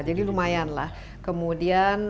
jadi lumayanlah kemudian